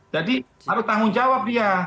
jadi harus tanggung jawab dia